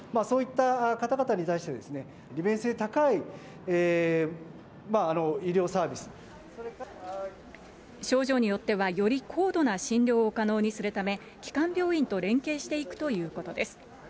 そういった方々に対してですね、症状によっては、より高度な診療を可能にするため、基幹病院と連携していくということです。